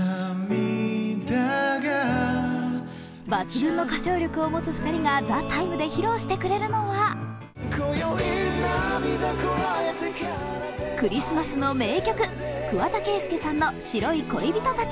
抜群の歌唱力を持つ２人が「ＴＨＥＴＩＭＥ，」で披露してくれるのはクリスマスの名曲、桑田佳祐さんの「白い恋人たち」。